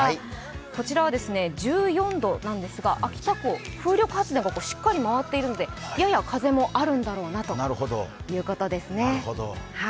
こちらは１４度なんですが秋田港、風力発電がしっかり回っているのでやや風もあるんだろうなということです。